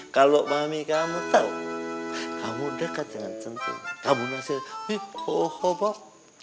kalau mami kamu tahu kamu dekat dengan centini kamu nasihat wih ho ho bob